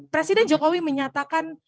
presiden jokowi menyatakan